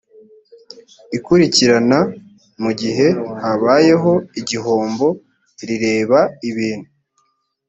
ikurikirana mu gihe habayeho igihombo rireba ibintu